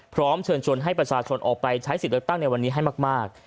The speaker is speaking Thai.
พร้อมเชิญชวนให้ประชาชนออกไปใช้สิทธิ์เลือกตั้งในวันนี้ให้มาก